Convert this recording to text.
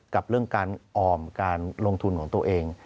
กับเรื่องการออมการลงทุนของตัวเอง